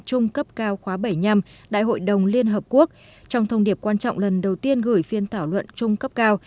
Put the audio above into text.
trung cấp cao khóa bảy mươi năm đại hội đồng liên hợp quốc trong thông điệp quan trọng lần đầu tiên gửi phiên thảo luận trung cấp cao